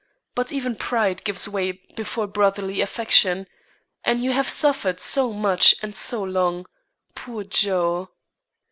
But even pride gives way before brotherly affection; and you have suffered so much and so long, poor Joe!"